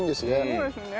そうですね。